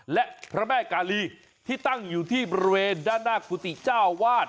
และพระแม่กาลีที่ตั้งอยู่ที่บริเวณด้านหน้ากุฏิเจ้าวาด